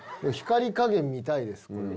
光り加減見たいですね。